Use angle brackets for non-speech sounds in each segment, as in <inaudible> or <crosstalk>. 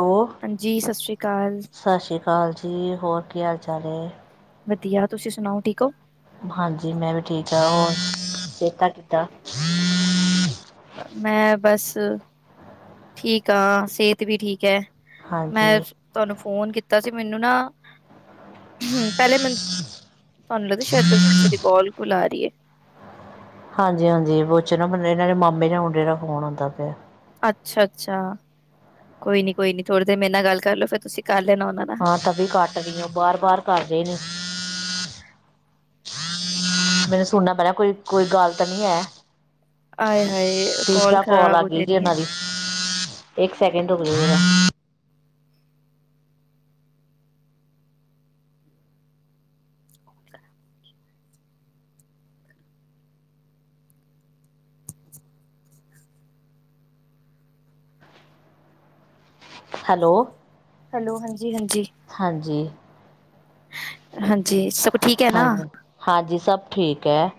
Hello ਹਾਂਜੀ ਸਤਿ ਸ੍ਰੀ ਅਕਾਲ। ਹਾਜੀ ਹੋਰ ਕੀ ਹਾਲ ਚਾਲ ਹੈ। ਵਧੀਆ ਤੁਸੀਂ ਸੁਣਾਓ ਠੀਕ ਹੋ। ਹਾਂਜੀ ਮੈਂ ਵੀ ਠੀਕ ਹਾਂ ਹੋ ਸਿਹਤ ਕੀਦਾ- ਮੈਂ- ਬਸ ਠੀਕ ਆ ਸਿਹਤ ਵੀ ਠੀਕ ਹੈ। ਮੈਂ ਹਾਂਜੀ ਤੁਹਾਨੂੰ ਫੋਨ ਕੀਤਾ ਸੀ ਮੈਨੂੰ ਨਾ ਪਹਿਲੇ ਮੈਨ ਤੁਹਾਨੂੰ ਲੱਗਦਾ ਸ਼ਾਇਦ ਕੋਈ ਪਿੱਛੇ ਦੀ ਸਹੀ ਏ- ਹਾਂਜੀ ਹਾਂਜੀ ਬਚਨਾ ਇਹਨਾਂ ਦੇ ਮਾਮੇ ਜਾਂ ਮੁੰਡੇ ਦਾ ਫੋਨ ਆਉਂਦਾ ਪਿਆ ਅੱਛਾ ਅੱਛਾ ਕੋਈ ਨੀ ਕੋਈ ਨੀ ਥੋੜੀ ਦੇਰ ਮੇਰੇ ਨਾਲ ਗੱਲ ਕਰਲੋ ਫੇਰ ਤੁਸੀ ਹਾਂ ਤ ਵੀ ਕੱਟ ਰਹੀਓ ਬਾਰ- ਬਾਰ ਕਰ ਰਹੇ ਨੇ ਮੈਨੂੰ ਸੁਣਨਾ ਪੈਣਾ ਕੋਈ- ਕੋਈ ਗੱਲ ਤਾਂ ਨਹੀ ਹੈ। ਹਾਏ- ਹਾਏ ਕੋਲ ਤੀਸਰਾ ਕਾਲ ਖ਼ਰਾਬ ਆ ਹੋ ਗਈ ਜੀ ਜਾਣੀ ਹੈ। ਉਹਨਾਂ ਦੀ ਇੱਕ ਸੈਕਿੰਡ ਰੁਕ ਜਾਓ ਹੈਲੋ- ਹੈਲੋ ਹਾਂਜੀ -ਹਾਂਜੀ ਹਾਂਜੀ ਹਾਂਜੀ ਸਭ ਠੀਕ ਹੈ। ਨਾ- ਹਾਂਜੀ ਹਾਂਜੀ ਸਭ ਠੀਕ ਹੈ।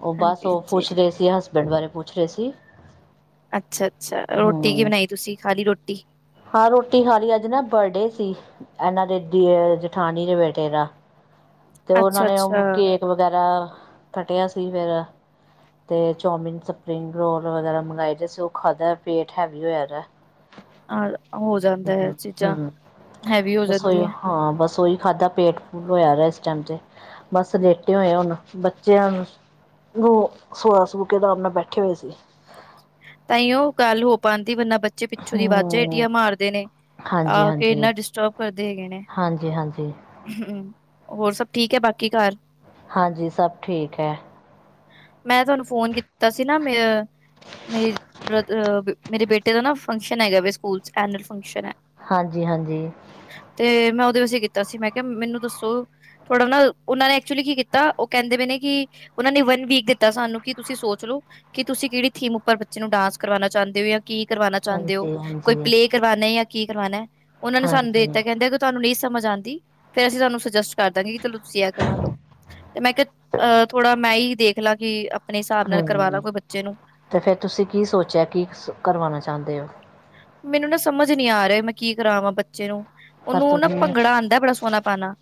ਉਹ ਬਸ ਹਾਂਜੀ ਉਹ ਹਾਂਜੀ ਪੁੱਛ ਰਹੇ ਸੀ ਹਸਬੈਂਡ ਬਾਰੇ ਪੁੱਛ ਰਹੇ ਸੀ ਅੱਛਾ ਅੱਛਾ ਰੋਟੀ ਕੀ ਹਮ ਬਣਾਈ ਤੁਸੀ ਖਾਲੀ ਰੋਟੀ <unintelligible> ਹਾਂ ਰੋਟੀ ਖਾਲੀ ਅੱਜ ਨਾ ਬਰਡੇ ਸੀ ਇਹਨਾਂ ਦੇ ਦੀ ਜਠਾਨੀ ਦੇ ਬੇਟੇ ਦਾ, ਤੇ ਉਹਨਾਂ ਅੱਛਾ ਨੇ ਉਹ ਅੱਛਾ ਕੇਕ ਵਗੈਰਾ ਕਟਿਆ ਸੀ ਫਿਰ ਤੇ ਚੌਮਿਨ ਸਪਰਿੰਗ ਰੋਲ ਵਗੈਰਾ ਮੰਗਾਏ ਸੀ ਉਹ ਖਾਧ ਪੇਟ ਹੈਵੀ ਹੋਇਆ। ਆ ਹੋ ਜਾਂਦਾ ਹੈ ਹੂੰ ਚੀਜ਼ਾਂ ਹੂੰ ਹੈਵੀ ਹੋ ਬਸ ਉਹੀ ਜਾਂਦੀਆਂ। ਹਾਂ ਬਸ ਉਹੀ ਖਾਧਾ ਪੇਟ ਫੁੱਲ ਹੋਇਆ ਰਿਹਾ। ਚਮਚੇ ਬਸ ਲੇਟੇ ਹੋਏ ਹੁਣ ਬੱਚਿਆਂ ਨੂੰ ਸੁਵਾ ਸਵੂ ਕੇ ਅਰਾਮ ਨਾਲ ਬੈਠੇ ਹੋਏ ਸੀ। ਤਾਂ ਹੀ ਉਹ ਗੱਲ ਹੋ ਪਾਨ ਵੰਨਾ ਬੱਚੇ ਪਿੱਛੋਂ ਦੀ ਵਾਜਾਂ ਈ ਹੂੰ ਏਡੀਆਂ ਮਾਰਦੇ ਨੇ ਆ ਹਾਂਜੀ ਕੇ ਹਾਂਜੀ ਇੰਨਾ ਡਿਸਟਰਬ ਕਰਦੇ ਹੈਗੇ ਨੇ ਹਾਂਜੀ ਹਾਂਜੀ ਹੂੰ, ਹੋਰ ਸਭ ਠੀਕ ਹੈ ਬਾਕੀ ਘਰ ਹਾਂਜੀ ਸਭ ਠੀਕ ਹੈ। ਮੈਂ ਤੁਹਾਨੂੰ ਫੋਨ ਕੀਤਾ ਸੀ। ਨਾ ਮੇ ਮੇਰੀ ਬ ਮੇਰੇ ਬੇਟੇ ਦਾ ਨਾ ਫੰਕਸ਼ਨ ਹੈਗਾ ਸਕੂਲ ਚ ਐਨਲ ਫੰਕਸ਼ਨ ਹੈ। ਹਾਂਜੀ ਹਾਂਜੀ, ਵਸ ਕੀਤਾ ਸੀ ਮੈਂ ਕਿਹਾ ਮੈਨੂੰ ਦੱਸੋ ਥੋੜਾ ਨਾ ਉਹਨਾਂ ਨੇ ਐਕਚੁਲੀ ਕੀ ਕੀਤਾ ਉਹ ਕਹਿੰਦੇ ਪਏ ਨੇ ਕਿ ਉਹਨਾਂ ਨੇ ਵਨ ਵੀਕ ਦਿੱਤਾ ਸਾਨੂੰ ਕਿ ਤੁਸੀਂ ਸੋਚ ਲਓ ਕਿ ਤੁਸੀਂ ਕਿਹੜੀ ਥੀਮ ਉੱਪਰ ਬੱਚੇ ਨੂੰ ਡਾਂਸ ਕਰਵਾਣਾ ਚਾਹੁੰਦੇ ਹੋ ਜਾਂ ਕੀ ਕਰਵਾਣਾ ਚਾਹੁੰਦੇ ਹੋ ਹਾਂਜੀ ਕੋਈ ਹਾਂਜੀ ਪਲੇਅ ਕਰਵਾਣੇ ਜਾਂ- ਕੀ ਕਰਵਾਣਾ, ਉਹਨਾਂ ਨੇ ਸਾਨੂੰ ਦੇ ਹਾਂਜੀ ਦਿੱਤਾ ਕਹਿੰਦੇ ਕਿ ਤੁਹਾਨੂੰ ਨਹੀਂ ਸਮਝ ਆਦੀ ਫੇਰ ਅਸੀਂ ਤੁਹਾਨੂੰ ਸੁਜੈਸਟ ਕਰ ਦਾਂਗੇ ਕਿ ਚਲੋ ਤੁਸੀਂ ਇਹ ਕਰਵਾ ਲੋ ਤੇ ਮੈਂ ਕਿਹਾ ਅ ਥੋੜਾ ਮੈਂ ਹੀ ਦੇਖ ਲਾ ਗੀ, ਆਪਣੇ ਹਿਸਾਬ ਨਾਲ ਕਰਵਾ ਹੂੰ ਤੇ ਫੇਰ ਤੁਸੀਂ ਕੀ ਸੋਚਿਆ ਕੀ ਕਰਵਾਣਾ, ਚਾਦੇ ਔ, ਮੈਨੂੰ ਨਾ ਸਮਝ ਨੀ ਆ ਰਹੇ ਮੈਂ ਕੀ ਕਰਾਵਾਂ ਬੱਚੇ ਨੂੰ ਪਰ ਉਹਨੂੰ ਨਾ ਤੁਸੀਂ ਭੰਗੜਾ ਆਦਾ ਬੜਾ ਸੋਹਣਾ ਪਾਣਾ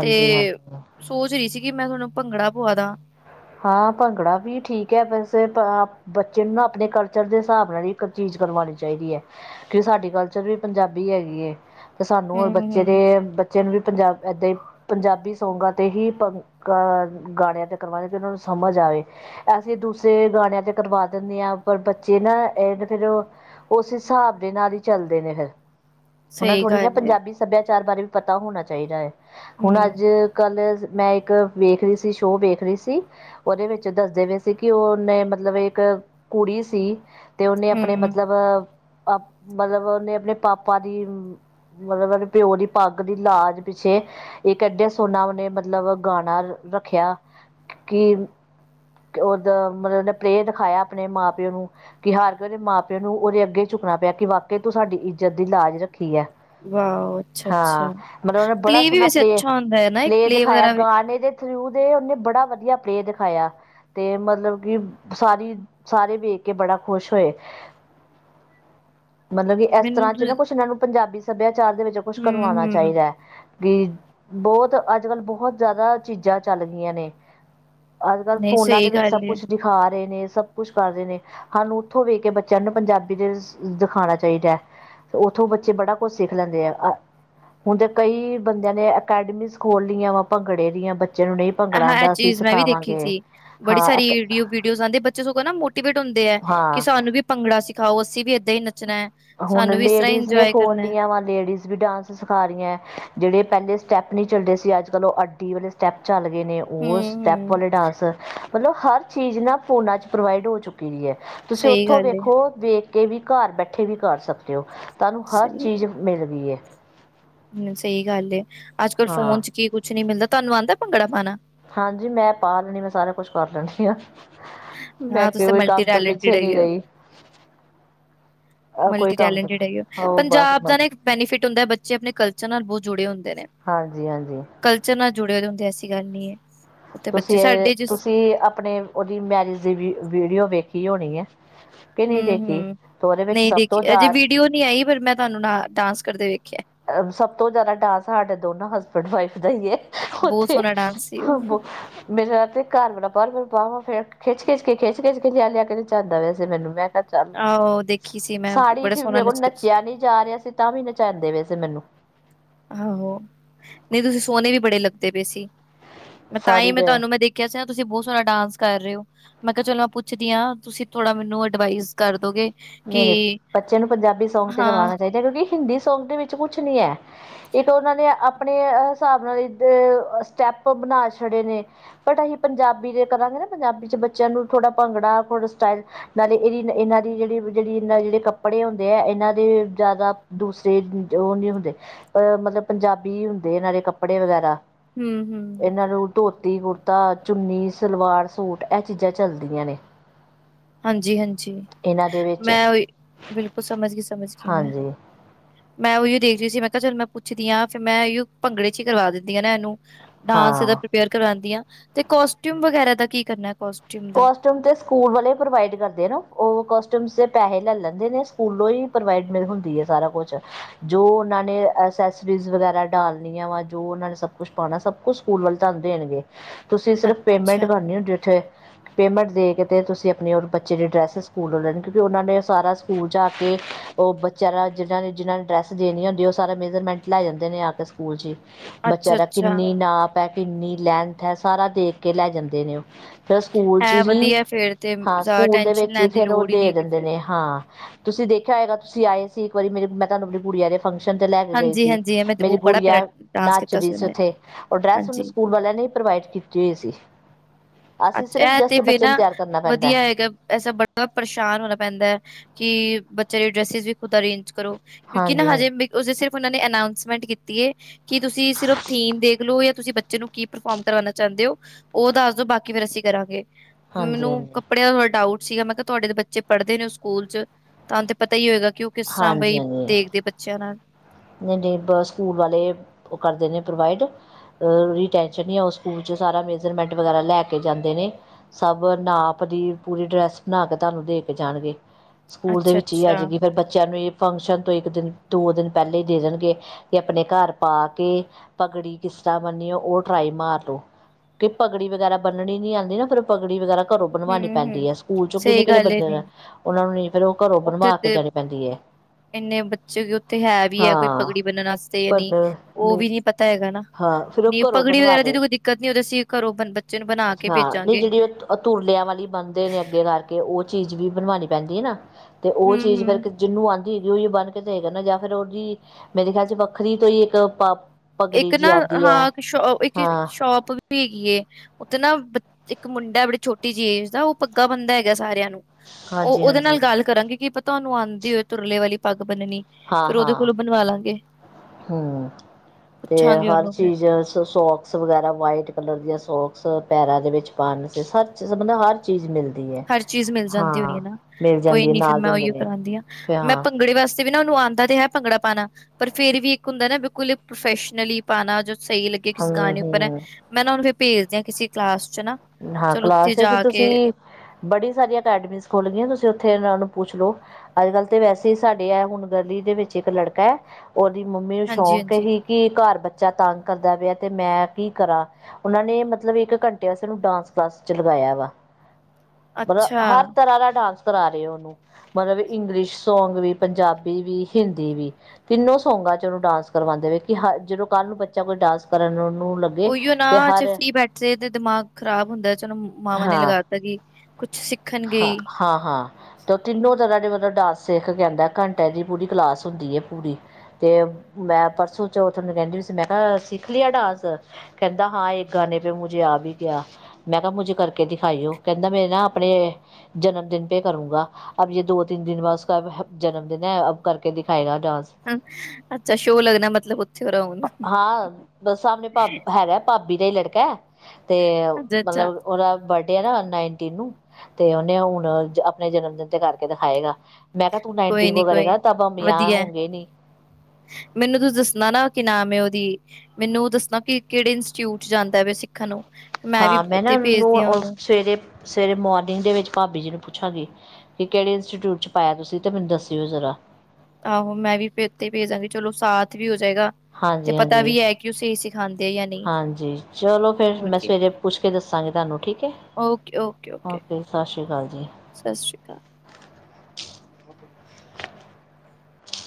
ਤੇ ਹਾਂਜੀ ਸੋਚ ਰਹੀ ਸੀ। ਕਿ ਮੈਂ ਤੁਹਾਨੂੰ ਭੰਗੜਾ ਪਾਵਾਦਾ, ਹਾਂ ਭੰਗੜਾ ਵੀ ਠੀਕ ਹੈ ਬੈਸੇ ਬੱਚੇ ਨੂੰ ਨਾ ਆਪਣੇ ਕਲਚਰ ਦੇ ਹਿਸਾਬ ਨਾਲ ਹੀ ਇੱਕ ਚੀਜ਼ ਕਰਵਾਣੀ ਚਾਹੀਦੀ ਹੈ, ਕਿਉ ਸਾਡਡੀ ਕਲਚਰ ਵੀ ਪੰਜਾਬੀ ਹੈਗੀ। ਤੇ ਸਾਨੂੰ ਬੱਚੇ ਹੂੰ-ਹੂੰ। ਦੇ ਬੱਚੇ ਨੂੰ ਵੀ, ਪੰਜਾਬ ਏਦਾਂ ਪੰਜਾਬੀ ਸੌਂਗਾਂ ਤੇ ਹੀ ਅ ਗਾਣਿਆਂ ਤੇ ਕਰਵਾ। ਉਹਨਾਂ ਨੂੰ ਸਮਝ ਆਵੇ ਅਸੀਂ ਦੂਸਰੇ ਗਾਣਿਆਂ ਤੇ ਕਰਵਾ ਦਿੰਦੇ ਹਾਂ ਪਰ ਬੱਚੇ ਨਾ ਇਹ ਫੇਰ ਉਸ ਹਿਸਾਬ ਦੇ ਨਾਲ ਹੀ ਚੱਲਦੇ ਨੇ ਫਿਰ ਉਹਨਾਂ ਸਹੀ ਥੋੜ੍ਹੀ ਨਾ ਗੱਲ ਏ। ਪੰਜਾਬੀ ਸੱਭਿਆਚਾਰ ਬਾਰੇ ਵੀ ਪਤਾ ਹੋਣਾ ਚਾਹੀਦਾ ਹੈ। ਹੁਣ ਅੱਜ ਕੱਲ ਮੈਂ ਇੱਕ ਵੇਖ ਰਹੀ ਸੀ ਸ਼ੋਅ ਵੇਖ ਰਹੀ ਸੀ। ਉਹਦੇ ਵਿੱਚ ਦੱਸਦੇ ਹੋਏ ਸੀ, ਕਿ ਉਹਨੇ ਮਤਲਬ ਇੱਕ ਕੁੜੀ ਸੀ। ਅਤੇ ਉਹਨੇ ਆਪਣੇ ਹੂੰ-ਹੂੰ, ਮਤਲਬ ਮਤਲਬ ਉਹਨੇ ਆਪਣੇ ਪਾਪਾ ਦੀ ਮਤਲਬ ਪਿਓ ਦੀ ਪੱਗ ਦੀ ਲਾਜ ਪਿੱਛੇ ਇੱਕ ਐਡੇ ਸੋਨਾ ਉਹਨੇ ਮਤਲਬ ਗਾਣਾ ਰੱਖਿਆ। ਕਿ ਓਦਾ ਮਤਲਬ ਓਨੇ ਪ੍ਰੇ ਦਿਖਾਇਆ ਆਪਣੇ ਮਾਂ ਪਿਓ ਨੂੰ, ਕਿ ਹਾਰ ਕੇ ਓਦੇ ਮਾਂ ਪਿਓ ਨੂੰ ਓਦੇ ਅੱਗੇ ਚੁੱਕਨਾ ਪਿਆ, ਕਿ ਵਾਕਈ ਤੂੰ ਸਾਡੀ ਇੱਜ਼ਤ ਦੀ ਲਾਜ ਰੱਖ ਵਾਓ, ਅੱਛਾ, ਅੱਛਾ ਮਤਲਬ ਉਹਨੇ ਬੜਾ ਪਲੇ ਵੀ ਸੋਹਣਾ ਵੈਸੇ ਪਲੇ ਅੱਛਾ ਹੁੰਦਾ ਏ ਨਾ, ਇੱਕ ਪਲੇ ਵਗੈਰਾ ਵੀ ਤੇ ਉਦੇ ਓਨੇ ਬੜਾ ਵਧੀਆ ਵਧੀਆ ਪ੍ਰੇ ਦਿਖਾਇਆ ਤੇ ਮਤਲਬ ਕਿ ਸਾਰੀ, ਸਾਰੇ ਵੇਖ ਕੇ ਬੜਾ ਖੁਸ਼ ਹੋਏ। ਮਤਲਬ ਕਿ ਏਸ ਮੈਨੂੰ ਤਰਾਂ ਚ ਨਾ ਕੁੱਛ ਇਹਨਾ ਨੂੰ ਪੰਜਾਬੀ <unintelligible> ਵਿਚਾਰ ਦੇ ਵਿੱਚੋਂ ਕੁਛ ਕਰੁਵਾਨਾ ਹੂੰ-ਹੂੰ। ਚਾਹੀਦੈ। ਕਿ ਬਹੁਤ ਅੱਜ ਕੱਲ ਬਹੁਤ ਜਾਦਾ ਚੀਜ਼ਾਂ ਚੱਲ ਗੀਆਂ ਨੇ। ਅੱਜ ਕੱਲ ਨਹੀਂ ਫੋਨਾ ਸਹੀ ਦੇ ਵਿੱਚ ਸਭ ਗੱਲ ਏ, ਕੁਛ ਦਿਖਾ ਰੇ ਨੇ। ਸਭ ਕੁਛ ਕਾਰਦੇ ਨੇ। ਕਾਲ ਨੂੰ ਉੱਥੋਂ ਵੇਖ ਕੇ ਬੱਚਿਆਂ ਨੂੰ ਪੰਜਾਬੀ ਦੇ <unintelligible> ਦਿਖਾਨਾ ਚਾਹੀਦੈ। ਓਥੋਂ ਬੱਚੇ ਬੜਾ ਕੋਛ ਸਿੱਖ ਲੈਂਦੇ ਏ। ਹੁਣ ਤੇ ਕਈ ਬੰਦਿਆਂ ਨੇ ਅਕੈਡਮੀਜ਼ ਖੋਲ ਲਈਆਂ ਵਾ ਭੰਗੜੇ ਦੀਆਂ ਬਚ ਬੱਚੇ ਨੂੰ ਨਈ ਭੰਗੜਾ ਹਾਂ ਇਹ ਆਂਦਾਸ। ਚੀਜ਼ ਮੈਂ ਵੀ ਦੇਖੀ ਸੀ। ਬੜੀ ਸਾਰੀ <unintelligible> ਵੀਡੀਓਜ਼ ਆਂਦੇ‌, ਬੱਚੇ ਸਗੋ ਨਾ <unintelligible> ਹੁੰਦੇ ਏ ਕਿ ਹਾਂ ਸਾਨੂੰ ਵੀ ਭੰਗੜਾ <unintelligible> <unintelligible> ਅਸੀ ਵੀ ਏਦਾ ਈ <unintelligible> ਹੁਨ ਲੇਡੀਜ਼ ਨੇ ਖੋਲ ਐ। ਲਿਆਂ ਵਾ, ਲੇਡੀਜ਼ ਵੀ ਡਾਂਸ ਸਿਖਾ ਰਿਏ। ਜਿੜੇ ਪੈਲੇ ਸਟੈਪ ਨੀ ਚੱਲਦੇ ਸੀ, ਅੱਜ-ਕੱਲ ਓ ਅੱਡੀ ਵਾਲੇ ਸਟੈਪ ਚੱਲ ਗਏ ਨੇ, ਉ ਸਟੈਪ ਹੂੰ-ਹੂੰ। ਵਾਲੇ ਡਾਂਸ ਮਤਲਬ ਹਰ ਚੀਜ਼ ਨਾ ਫੋਨਾਂ 'ਚ ਪ੍ਰੋਵਾਈਡ ਹੋ ਚੁੱਕੀ ਦੀ ਏ। ਤੁਸੀ ਸਹੀ ਉੱਥੋ ਗੱਲ ਏ, ਵੇਖੋ, ਵੇ ਕੇ ਵੀ ਘਰ ਬੈਠ ਬੈਠੇ ਵੀ ਕਰ ਸਕਦੇ ਹੋ। ਤਾਨੂੰ ਹਰ ਸਹੀ ਚੀਜ਼ ਮਿਲ ਰੀਏ। ਹੂੰ, ਸਈ ਗੱਲ ਏ। ਅੱਜ ਕਲ ਫੋਨ ਹਾਂ ਚ ਕੀ ਕੁਛ ਨੀ ਮਿਲਦਾ। ਤਾਨੂੰ ਆਂਦੈ ਭੰਗੜਾ ਪਾਨਾ? ਹਾਂਜੀ, ਮੈਂ ਪਾ ਲੈਨੀ ਆ, ਮੈਂ ਸਾਰਾ ਕੁਛ ਕਰ ਲੈਨੀ ਆ। ਮੈ ਹਾਂ, ਤੇ ਤੁਸੀਂ ਕੋਈ ਮਲਟੀ ਕੰਮ ਤੋਂ ਟੈਲੈਂਟਡ ਪਿੱਛੇ ਨੀ ਰਈ। ਮਲਟੀ-ਟੈਲੇਂਟਿਡ ਹੈਗੇ ਓ। ਹੋ ਬਸ ਪੰਜਾਬ ਦਾ ਬਸ ਨਾ ਇੱਕ ਬੈਨੀਫਿਟ ਹੁੰਦੈ ਬਚ ਬੱਚੇ ਆਪਨੇ ਕਲਚਰ ਬਹੁਤ ਜੁੜੇ ਹੁਨ। <unintelligible> ਹਾਂਜੀ ਹਾਂਜੀ ਕਲਚਰ ਨਾਲ। <unintelligible> ਐਸੀ ਗੱਲ ਨੀ ਏ। ਉੱਥੇ ਤੁਸੀ ਬੱਚੇ ਏ‌, ਸਾਡੇ ਜਿਸ ਤੁਸੀ, ਆਪਨੇ ਉਦੀ ਮੈਰਿਜ ਦੀ ਵੀ, ਵੀਡੀਓ ਵੇਖ <unintelligible> ਹੋਨੀ ਏ ਹੂੰ-ਹੂੰ, ਨਹੀਂ ਸਭ ਦੇਖੀ ਤੋਂ ਅਜੇ ਜ਼ਿਆਦਾ ਵੀਡੀਓ ਨੀ ਆਈ ਪਰ ਮੈਂ ਤੁਹਾਨੂੰ ਡ ਡਾਂਸ ਕਰਦੇ ਵੇਖਿਆ। ਪੜ੍ਹਾਈ, <unintelligible> ਬਹੁਤ ਉੱਥੇ ਸੋਹਣਾ ਡਾਂਸ ਸੀ ਓ। <unintelligible> ਮੇਰੇ ਰਾ ਤੇ ਘਰ ਵਾਲਾ ਬਾਹਰ ਮੈਨ ਬਾਹ ਫ ਖਿੱਚ ਖਿੱਚ ਕੇ ਖਿੱਚ ਖਿੱਚ ਕੇ ਲ ਲਿਆ ਕੇ ਜਾਂਦਾਇਆ ਸੀ ਮਨ ਮੈਂ ਚੱਲ ਆਹੋ ਦੇਖੀ ਸੀ ਮੈਂ ਸਾੜੀ ਬੜਾ ਚ ਸੋਹਣਾ ਮੇਰੇ ਕੋਲ ਨੱਚਦੇ ਪਏ ਸੀ। ਨੱਚਿਆ ਨੀ ਜਾ ਰਿਹਾ ਸੀ ਤਾਂ ਵੀ ਨਚਾਦੇ ਪਏ ਸੀ ਮੈਨੂੰ ਆਹੋ ਨਹੀਂ ਤੁਸੀਂ ਸੋਹਣੇ ਵੀ ਬੜੇ ਲੱਗਦੇ ਪਏ ਸੀ। ਮੈਂ ਤਾਂ ਹੀ ਸਾੜੀ ਮੈਂ ਦੇ ਤੁਹਾਨੂੰ ਮੈਂ ਦੇਖਿਆ ਸੀ ਤੁਸੀਂ ਬਹੁਤ ਸੋਹਣਾ ਡਾਂਸ ਕਰ ਰਹੇ ਹੋ ਮੈਂ ਕਿਹਾ ਚਲੋ ਪੁੱਛਦੀ ਹਾਂ ਤੁਸੀਂ ਥੋੜ੍ਹਾ ਮੈਨੂੰ ਅਡਵਾਈਸ ਕਰਦੋਗੇ। ਨਹੀਂ ਨਹੀਂ ਬੱਚੇ ਨੂੰ ਪੰਜਾਬੀ ਸੌਂਗ ਤੇ ਹਾਂ ਕਰਵਾਣਾ ਚਾਹੀਦਾ ਕਿਉਂਕਿ ਹਿੰਦੀ ਸੌਂਗ ਦੇ ਵਿੱਚ ਕੁਛ ਕੁਛ ਨਹੀਂ ਹੈ ਇੱਕ ਉਹਨਾਂ ਨੇ ਆਪਣੇ ਹਿਸਾਬ ਨਾਲ ਇਹਦੇ ਸਟੈਪ ਬਣਾ ਛੱਡੇ ਨੇ। ਬਟ ਅਸੀਂ ਪੰਜਾਬੀ ਦੇ ਕਰਾਂਗੇ ਨਾ ਪੰਜਾਬੀ ਚ ਬੱਚਿਆਂ ਨੂੰ ਥੋੜਾ ਭੰਗੜਾ ਸਟਾਈਲ ਨਾਲੇ ਇਹਦੀ ਇਹਨਾਂ ਦੀ ਜਿਹੜੀ ਜਿਹੜੀ ਇਹਨਾਂ ਜਿਹੜੇ ਕੱਪੜੇ ਹੁੰਦੇ ਆ ਇਹਨਾਂ ਦੇ ਜ਼ਿਆਦਾ ਦੂਸਰੇ ਉਹ ਨਹੀਂ ਹੁੰਦੇ। ਅ ਮਤਲਬ ਪੰਜਾਬੀ ਹੁੰਦੇ ਇਹਨਾਂ ਦੇ ਕੱਪੜੇ ਵਗੈਰਾ। ਹੂੰ ਹੂੰ ਇਹਨਾਂ ਨੂੰ ਧੋਤੀ ਕੁੜਤੀ ਤਾਂ ਚੁੰਨੀ ਸਲਵਾਰ ਸੂਟ ਇਹ ਚੀਜ਼ਾਂ ਚੱਲਦੀਆਂ ਨੇ। ਹਾਂਜੀ ਹਾਂਜੀ। ਇਹਨਾਂ ਦੇ ਵਿੱਚ ਮੈਂ ਉਹੀ ਬਿਲਕੁਲ ਸਮਝ ਗਈ ਸਮਝ ਗਈ ਮੈਂ। ਹਾਂਜੀ ਮੈਂ ਉਹੀਓ ਦੇਖ ਰਹੀ ਸੀ ਮੈਂ ਕਿਹਾ ਚਲ ਮੈਂ ਪੁੱਛਦੀ ਹਾਂ। ਫਿਰ ਮੈਂ ਓਹੀ ਭੰਗੜੇ ਚ ਹੀ ਕਰਵਾ ਦਿੰਦੀ ਆ ਨਾ ਇਹਨੂੰ। ਡਾਂਸ ਇਹਦਾ ਹਾਂ ਪ੍ਰਿਪੇਅਰ ਕਰਾਉਂਦੀ ਆ। ਤੇ ਕੋਸਟਿਊਮ ਵਗੈਰਾ ਦਾ ਕੀ ਕਰਨਾ ਕੋਸਟਿਊਮ ਤੇ ਸਕੂਲ ਵਾਲੇ ਪ੍ਰੋਵਾਈਡ ਕਰਦੇ ਨਾ। ਉਹ ਕਾਸਟਿਊਮ ਦੇ ਪੈਸੇ ਲੈ ਲੈਂਦੇ ਨੇ ਸਕੂਲੋਂ ਹੀ ਪ੍ਰੋਵਾਈਡ ਹੁੰਦੀ ਹੈ ਸਾਰਾ ਕੁਛ। ਜੋ ਉਹਨਾਂ ਨੇ ਅਸੈਸਰੀ ਵਗੈਰਾ ਡਾਲਣੀਆਂ ਵਾ। ਜੋ ਉਹਨਾਂ ਨੇ ਸਭ ਕੁਛ ਪਾਣਾ ਸਭ ਕੁਛ ਸਕੂਲ ਵਾਲੇ ਤੁਹਾਨੂੰ ਦੇਣਗੇ। ਤੁਸੀਂ ਸਿਰਫ ਪੇਮੈਂਟ ਅੱਛਾ ਕਰਨੀ ਹੁੰਦੀ ਉੱਥੇ। ਪੇਮੈਂਟ ਦੇ ਕੇ ਅਤੇ ਤੁਸੀਂ ਆਪਣੇ ਉਹਰ ਬੱਚੇ ਦੀ ਡਰੈੱਸ ਸਕੂਲ ਨੂੰ ਲੈਣੀ। ਕਿਉਂਕਿ ਉਹਨਾਂ ਨੇ ਉਹ ਸਾਰਾ ਸਕੂਲ ਚ ਆ ਕੇ ਉਹ ਬੱਚਿਆਂ ਦਾ ਜਿਹਨ੍ਹਾਂ ਨੇ ਜਿਹਨ੍ਹਾਂ ਨੇ ਡਰੈੱਸ ਦੇਣੀ ਹੁੰਦੀ। ਉਹ ਸਾਰਾ ਮੇਜਰਮੈਂਟ ਲਿਆ ਜਾਂਦੇ ਨੇ ਆ ਕੇ ਸਕੂਲ ਚ ਹੀ। ਬੱਚਿਆਂ ਅੱਛਾ ਦਾ ਅੱਛਾ ਕਿੰਨੀ ਨਾ ਕਿੰਨੀ ਲੈਂਥ ਹੈ ਸਾਰਾ ਦੇਖ ਕੇ ਲੈ ਜਾਂਦੇ ਨੇ ਉਹ। ਸਕੂਲ ਚ ਹੈ ਹੀ ਵਧੀਆ ਫੇਰ ਤੇ ਹਾਂ ਜ਼ਿਆਦਾ ਸਕੂਲ ਦੇ ਟੈਨਸ਼ਨ ਵਿੱਚ ਹੀ ਲੈਣ ਦੀ ਫਿਰ ਉਹ ਲੋੜ ਨਹੀਂ ਦੇ ਹੈਗੀ ਦਿੰਦੇ ਫਿਰ ਨੇ ਹਾਂ। ਤੁਸੀਂ ਦੇਖਿਆ ਹੋਏਗਾ ਤੁਸੀਂ ਆਏ ਸੀ ਇੱਕ ਵਾਰੀ ਮੇਰੀ ਮੈਂ ਤੁਹਾਨੂੰ ਆਪਣੀ ਗੁੜੀਆ ਦੇ ਫੰਕਸ਼ਨ ਤੇ ਲੈ ਕੇ ਗਈ ਹਾਂਜੀ ਸੀ। ਹਾਂਜੀ ਮੈਂ ਤੇ ਮੇਰੀ ਉਹ ਬੜਾ ਪਿਆਰਾ ਗੁੜੀਆ ਡਾਂਸ ਨੱਚ ਕੀਤਾ ਰਹੀ ਸੀ ਉਹਨੇ ਉੱਥੇ। ਉਹ ਡਰੈਸ ਉਹਨੂੰ ਹਾਂਜੀ ਸਕੂਲ ਵਾਲਿਆਂ ਨੇ ਪ੍ਰੋਵਾਈਡ ਕੀਤੀ ਹੋਈ ਸੀ। ਅਸੀਂ ਸਿਰਫ ਅੱਛਾ ਇਹ ਤੇ ਜਸਟ ਫਿਰ ਬੱਚੇ ਨੂੰ ਨਾ ਤਿਆਰ ਕਰਨਾ ਪੈਂਦਾ ਵਧੀਆ ਹੈਗਾ। ਐਸਾ ਬੜਾ ਪਰੇਸ਼ਾਨ ਹੋਣਾ ਪੈਂਦਾ ਐ। ਕਿ ਬੱਚਿਆਂ ਦੇ ਡਰੈਸਿਸ ਵੀ ਖੁਦ ਅਰੇਂਜ ਕਰੋ। ਕਿਉਂਕਿ ਨਾ ਹਾਂਜੀ ਹਾਂਜੀ ਹਜੇੇ ਸਿਰਫ ਉਹ ਨੇ ਅਨਾਊਂਸਮੈਂਟ ਕੀਤੀ ਕਿ ਤੁਸੀਂ ਸਿਰਫ ਥੀਮ ਦੇਖ ਲੋ ਜਾਂ ਤੁਸੀਂ ਬੱਚੇ ਨੂੰ ਕੀ ਪਰਫੋਰਮ ਕਰਾਉਣਾ ਚਾਹੁੰਦੇ ਹੋ? ਉਹ ਦੱਸ ਦੋ ਬਾ ਫਿਰ ਅਸੀਂ ਕਰਾਂਗੇ। ਹਾਂਜੀ ਮੈਨੂੰ ਹਾਂਜੀ ਕੱਪੜਿਆਂ ਦਾ ਡਾਊਟ ਸੀਗਾ ਮੈਂ ਕਿਹਾ ਤੁਹਾਡੇ ਬੱਚੇ ਪੜ੍ਹਦੇ ਨੇ ਉਸ ਸਕੂਲ ਚ ਤੁਹਾਨੂੰ ਤੇ ਪਤਾ ਹੀ ਹੋਏਗਾ। ਕਿਉ ਕਿਸ ਤਰ੍ਹਾਂ ਬਈ ਦੇਖਦੇ ਬੱਚਿਆਂ ਨਾਲ। ਨਹੀਂ ਨਹੀਂ ਬਸ ਸਕੂਲ ਵਾਲੇ ਉਹ ਕਰਦੇ ਨੇ ਪ੍ਰੋਵਾਈਡ ਉਹਦੀ ਟੈਂਸ਼ਨ ਨਹੀਂ ਆ ਉਹ ਸਕੂਲ ਚ ਸਾਰਾ ਮੇਜਰਮੈਂਟ ਵਗੈਰਾ ਲੈ ਕੇ ਜਾਂਦੇ ਨੇ। ਸਭ ਨਾਪ ਦੀ ਪੂਰੀ ਡਰੈਸ ਬਣਾ ਕੇ ਤੁਹਾਨੂੰ ਦੇ ਕੇ ਜਾਣਗੇ। ਸਕੂਲ ਦੇ ਅੱਛਾ ਵਿੱਚ ਹੀ ਆ ਅੱਛਾ ਜਾਏਗੀ ਫੇਰ ਬੱਚਿਆਂ ਨੂੰ ਇਹ ਫੰਕਸ਼ਨ ਤੋਂ ਇੱਕ ਦਿਨ ਦੋ ਦਿਨ ਪਹਿਲੇ ਹੀ ਦੇ ਦੇਣਗੇ ਕਿ ਆਪਣੇ ਘਰ ਪਾ ਕੇ ਪਗੜੀ ਕਿਸ ਤਰ੍ਹਾਂ ਬੰਨੀਓ ਉਹ ਟਰਾਈ ਮਾਰ ਲਓ ਕਿ ਪਗੜੀ ਵਗੈਰਾ ਬੰਨਣੀ ਨੀ ਆਂਦੀ ਨਾ ਫਿਰ ਪਗੜੀ ਵਗੈਰਾ ਘਰੋਂ ਬਣਵਾਣੀ ਹਮ ਪੈਂਦੀ ਹਮ ਹੈ ਸਕੂਲ ਚੋਂ ਕਿੰਨੇ ਸਹੀ ਕਿਹੜੇ ਗੱਲ ਏ ਬੰਦੇ ਨੇ ਉਹ ਨੂੰ ਨਹੀਂ ਫਿਰ ਉਹ ਘਰੋਂ ਉੱਥੇ ਬਣਵਾ ਕੇ ਤੇ ਜਾਣੀ ਪੈਂਦੀ ਹੈ ਇੰਨੇ ਬੱਚੇ ਵੀ ਉੱਥੇ ਹੈ। ਵੀ ਹੈ ਕੋਈ ਹਾਂ ਪਗੜੀ ਬੰਨ੍ਹਣ ਵਾਸਤੇ ਪਰ ਯਾਨੀ ਉਹ ਨਹੀਂ ਵੀ ਨੀ ਪਤਾ ਹੈਗਾ। ਨਾ ਹਾਂ ਫਿਰ ਉਹ ਨਹੀਂ ਘਰੋਂ ਪਗੜੀ ਬਣਵਾ ਵਗੈਰਾ ਦੀ ਦੋ ਤਾਂ ਕੋਈ ਦਿੱਕਤ ਨੀ ਉਹਦੇ ਅਸੀਂ ਘਰੋਂ ਬੱਚੇ ਨੂੰ ਬਣਾ ਕੇ ਹਾਂ ਨਹੀਂ ਭੇਜਾਂਗੇ ਜਿਹੜੀ ਉਹ ਅਤੁਰਲਿਆਂ ਵਾਲੀ ਬੰਨਦੇ ਨੇ ਅੱਗੇ ਕਰਕੇ ਉਹ ਚੀਜ਼ ਵੀ ਬਣਵਾਣੀ ਪੈਂਦੀ ਹੈ ਨਾ। ਤੇ ਉਹ ਹੂੰ ਚੀਜ਼ ਫੇਰ ਹੂੰ ਜਿਹਨੂੰ ਆਂਦੀ ਹੋਏਗੀ ਉਹ ਬੰਨ <unintelligible> ਜਾਂ ਫਿਰ ਉਹਦੀ ਮੇਰੇ ਖਿਆਲ ਚ ਵੱਖਰੀ ਤੋਂ ਹੀ ਇੱਕ ਪਾ ਇੱਕ ਨਾ ਹਾਂ ਇੱਕ ਸ਼ੋ ਇੱਕ ਹਾਂ ਸ਼ੋਪ ਵੀ ਹੈਗੀ ਆ। ਉੱਥੇ ਨਾ ਇੱਕ ਮੁੰਡਾ ਬੜੀ ਛੋਟੀ ਜੀ ਏੇਂਜ ਦਾ ਉਹ ਪੱਗਾ ਬਣਦਾ ਹੈਗਾ ਸਾਰਿਆਂ। ਉਹ ਹਾਂਜੀ ਉਹਦੇ ਨਾਲ ਹਾਂਜੀ ਗੱਲ ਕਰਾਂਗੇ ਕਿ ਪਤਾ ਤੁਹਾਨੂੰ ਆਉਂਦੀ ਹੋਏ ਤੁਰਲੇ ਵਾਲੀ ਪੱਗ। ਬੰਨਣੀ ਹਾਂ ਫੇਰ ਉਹਦੇ ਹਾਂ ਕੋਲੋਂ ਬਣਵਾ ਲਾਂਗੇ। ਹਮ ਤੇ ਪੁੱਛਾਂਗੇ ਹਰ ਉਹਨੂੰ ਫਿਰ ਚੀਜ਼ ਸੋਕਸ ਵਗੈਰਾ ਵਾਈਟ ਕਲਰ ਦੀਆਂ ਸੋਕਸ ਪੈਰਾਂ ਦੇ ਵਿੱਚ ਪਾਣ ਵਾਸਤੇ ਹਰ ਚੀਜ਼ ਮਿਲਦੀ। ਹੈ ਹਰ ਚੀਜ਼ ਮਿਲ ਜਾਂਦੀ ਹੋਣੀ ਐ ਹਾਂ ਨਾ ਮਿਲ ਕੋਈ ਜਾਂਦੀ ਹੈ ਨੀ ਫੇਰ ਨਾਲ ਮੈਂ ਦਿੰਦੇ ਉਹੀਓ ਨੇ ਕਰਾਉਂਦੀ ਹਾਂ ਤੇ ਮੈਂ ਹਾਂ ਭੰਗੜੇ ਵਾਸਤੇ ਨਾ ਉਹਨੂੰ ਆਂਦੇ ਤੇ ਹੈ ਭੰਗੜਾ ਪਾਉਣਾ ਪਰ ਫੇਰ ਵੀ ਇੱਕ ਹੁੰਦਾ ਨਾ ਬਿਲਕੁਲ ਪ੍ਰੋਫੈਸ਼ਨਲੀ ਪਾਉਣਾ ਸਹੀ ਲੱਗਿਆ ਕਿਸੇ ਹਮ ਗਾਣੇ ਉੱਪਰ ਐ ਹਮ ਮੈਂ ਨਾ ਹਨੂੰ ਫ ਭੇਜਦੇ ਹਾਂ ਕਿਸੇ ਕਲਾਸ ਚ ਨਾ ਹਾਂ ਚਲੋ ਉੱਥੇ ਕਲਾਸ ਦੀ ਜਾ ਕੇ ਤੁਸੀਂ ਬੜੀ ਸਾਰੀਆਂ ਅਕੈਡਮੀਜ਼ ਖੋਲ ਗਈਆਂ ਤੁਸੀਂ ਉੱਥੇ ਇਹਨਾਂ ਨੂੰ ਪੁੱਛ ਲੋ ਅੱਜ ਕੱਲ ਤੇ ਵੈਸੇ ਹੀ ਸਾਡੇ ਆ ਹੁਣ ਗਲੀ ਦੇ ਵਿੱਚ ਇੱਕ ਲੜਕਾ ਹੈ ਉਹਦੀ ਮੰਮੀ ਨੂੰ ਹਾਂਜੀ ਸ਼ੌਂਕ ਹਾਂਜੀ ਹੀ ਕਿ ਘਰ ਬ ਬੱਚਾ ਤੰਗ ਕਰਦਾ ਪਿਆ ਤੇ ਮੈਂ ਕੀ ਕਰਾਂ ਉਹਨਾਂ ਨੇ ਮਤਲਬ ਇੱਕ ਘੰਟੇ ਵਾਸਤੇ ਉਹਨੂੰ ਡਾਂਸ ਕਲਾਸ ਚ ਲਗਾਇਆ ਵਾ। ਮਤਲਬ ਅੱਛਾ ਹਰ ਤਰ੍ਹਾਂ ਦਾ ਡਾਂਸ ਕਰਾ ਰਹੇ ਉਹਨੂੰ ਮਤਲਬ ਇੰਗਲਿਸ਼ ਸੌਂਗ ਵੀ ਪੰਜਾਬੀ ਵੀ ਹਿੰਦੀ ਵੀ ਤਿੰਨੋ ਸੌਂਗਾਂ ਚ ਉਹਨੂੰ ਡਾਂਸ ਕਰਵਾਉਂਦੇ ਵ ਕਿ ਹਾਂ ਜਦੋਂ ਕੱਲ ਨੂੰ ਬੱਚਾ ਕੋਈ ਡਾਂਸ ਕਰਨੂੰ ਉਹੀਓ ਨਾ <unintelligible> ਬੈਠੇ ਤੇ ਦਿਮਾਗ ਖ਼ਰਾਬ ਹੁੰਦਾ ਚਲੋ ਮਾਵਾਂ ਨੇ ਹਾਂ ਲਗਾ ਦਿੱਤਾ ਕਿ ਕੁਛ ਸਿੱਖਣ ਹਾਂ ਗਈ ਹਾਂ ਹਾਂ ਤੇ ਉਹ ਤਿਨੋ ਤਰ੍ਹਾਂ ਦੇ ਡਾਂਸ ਸਿੱਖ ਕੇ ਆਂਦਾ ਘੰਟੇ ਦੀ ਪੂਰੀ ਕਲਾਸ ਹੁੰਦੀ ਹੈ। ਪੂਰੀ ਤੇ ਮੈਂ ਪਰਸੋਂ ਚੋਥ ਮੈਨੂੰ ਕਹਿੰਦੀ ਵੀ ਮੈਂ ਕਿਹਾ ਸਿੱਖ ਲਿਆ ਡਾਂਸ ਕਹਿੰਦਾ ਹਾਂ ਇਕ ਗਾਣੇ ਪੇ ਮੁਜੇ ਆ ਵੀ ਗਿਆ ਮੈਂ ਕਿਹਾ ਮੁਝੇ ਕਰਕੇ ਦਿਖਾਈਓ ਕਹਿੰਦਾ ਮੇਰੇ ਨਾ ਆਪਣੇ ਜਨਮਦਨ ਪੇ ਕਰੂੰਗਾ ਅਬ ਯੇ ਦੋ ਤਿੰਨ ਦਿਨ ਬਾਅਦ ਉਸ ਜਨਮਦਿਨ ਹੈ। ਅਬ ਕਰਕੇ ਦਿਖਾਏਗਾ। ਅੱਛਾ ਸ਼ੋਅ ਲੱਗਣਾ ਮਤਲਬ ਉੱਥੇ ਹੋ ਰਿਹਾ ਹੁਣ ਹਾਂ ਬਸ ਸਾਹਮਣੇ ਭ ਹੈਗਾ ਭਾਬੀ ਦਾ ਹੀ ਲੜਕਾ <inaudible> ਤੇ ਅੱਛਾ ਅੱਛਾ ਮਤਲਬ ਉਹਦਾ ਵ ਨਾ ਨਾਈਨਟੀਨ ਨੂੰ ਤੇ ਉਹਹਨੇ ਹੁਣ ਆਪਣੇ ਜਨਮ ਦਿਨ ਤੇ ਕਰਕੇ ਦਿਖਾਏਗਾ। ਮੈਂ ਕਿਹਾ ਤੂੰ ਕੋਈ ਨਾਈਨਟੀਨ ਨੀ ਕੋ ਕੋਈ ਕਰੇਗਾ ਨੀ ਤਬ ਹਮ ਯਹਾਂ ਵਧੀਆ ਹੋਂਗੇ ਨਹੀਂ ਮੈਨੂੰ ਤੁਸੀ ਦੱਸਣਾ ਨਾ ਕੀ ਨਾਮ ਹੈ। ਉਹ ਦੀ ਮੈਨੂੰ ਦੱਸਣਾ ਕਿ ਕਿਹੜੇ ਇੰਸਟੀਚਿਊਟ ਜਾਂਦਾ ਵ ਸਿੱਖਣ ਨੂੰ ਵੀ ਹਾਂ ਮੈਂ ਨਾ ਉੱਥੇ ਭੇਜਦੀ ਆ ਉਹਨੂੰ ਸਵੇਰੇ- ਸਵੇਰੇ ਮੋਰਨਿੰਗ ਦੇ ਵਿੱਚ ਭਾਬੀ ਜੀ ਨੂੰ ਪੁੱਛਾਂਗੀ ਕਿ ਕਿਹੜੇ ਇੰਸਟੀਚਿਊਟ ਚ ਪਾਇਆ ਤੁਸੀ ਤੇ ਮੈਨੂੰ ਦੱਸਿਓ ਜ਼ਰਾ ਆਹੋ ਮੈਂ ਵੀਥੇ ਭੇਜਾਂਗੀ ਚਲੋ ਸਾਥ ਵੀ ਹੋ ਜਾਏਗਾ ਤੇ ਹਾਂਜੀ- ਪਤਾ ਹਾਂਜੀ ਵੀ ਹੈ ਕਿ ਉਹ ਸਹੀ ਸਿਖਾਂਦੇ ਆ ਜਾਂ ਨਹੀਂ -ਹਾਂਜੀ ਚਲੋ ਫਿਰ ਹੋਰ ਮੈਂ ਕੀ ਸਵੇਰੇ ਪੁੱਛ ਕੇ ਦੱਸਾਂਗੇ ਤੁਹਾਨੂੰ ਠੀਕ ਹੈ। ਓਕੇ ਓਕੇ ਓਕੇ ਸਤਿ ਸ਼੍ਰੀ ਅਕਾਲ ਜੀ। ਸਤਿ ਸ਼੍ਰੀ ਅਕਾਲ